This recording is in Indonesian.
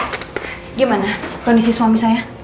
gimana kondisi suami saya